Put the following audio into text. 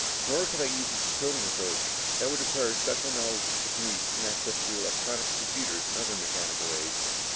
Nor could I use a decoding approach that would require special knowledge of techniques and access to electronic computers and other mechanical aids.